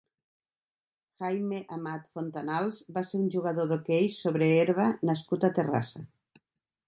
Jaime Amat Fontanals va ser un jugador d'hoquei sobre herba nascut a Terrassa.